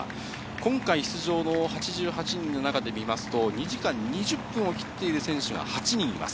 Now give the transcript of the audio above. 今回出場の８８人の中で見ますと、２時間２０分を切っている選手が８人います。